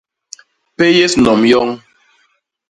Péyés nom yoñ.